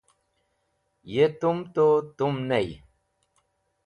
Ye tum tu, tum ney.